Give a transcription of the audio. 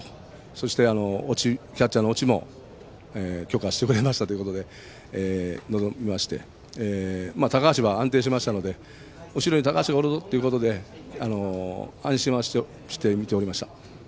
そして、キャッチャーの越智も許可してくれたということで臨みまして高橋は安定していましたので後ろに高橋がいるぞということで安心はして見ていました。